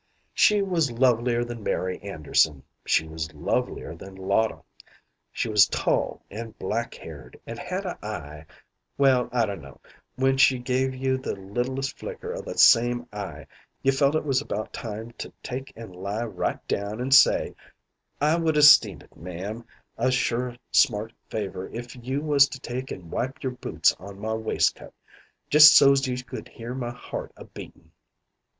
"She was lovelier than Mary Anderson; she was lovelier than Lotta. She was tall, an' black haired, and had a eye ... well, I dunno; when she gave you the littlest flicker o' that same eye, you felt it was about time to take an' lie right down an' say, 'I would esteem it, ma'am, a sure smart favour if you was to take an' wipe your boots on my waistcoat, jus' so's you could hear my heart a beatin'.